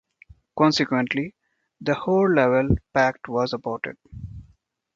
Consequently, the Hoare-Laval Pact was aborted.